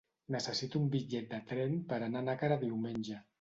Necessito un bitllet de tren per anar a Nàquera diumenge.